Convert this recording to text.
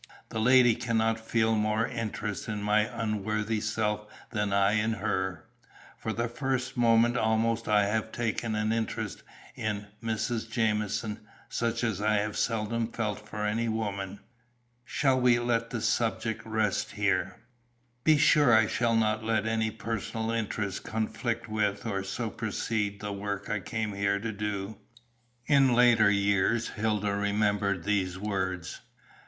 The lady cannot feel more interest in my unworthy self than I in her; from the first moment almost I have taken an interest in Mrs. Jamieson, such as I have seldom felt for any woman. Shall we let the subject rest here? Be sure I shall not let any personal interest conflict with, or supersede, the work I came here to do." In later years Hilda remembered these words.